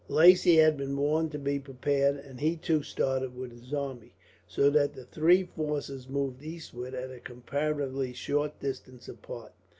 Lacy had been warned to be prepared, and he too started with his army, so that the three forces moved eastward at a comparatively short distance apart.